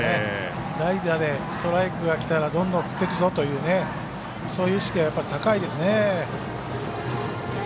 代打でストライクがきたらどんどん振っていくぞというそういう意識が高いですね。